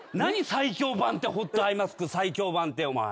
最強版ってホットアイマスク最強版って。